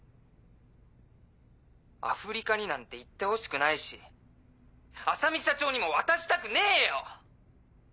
アフリカになんて行ってほしくないし浅海社長にも渡したくねえよ！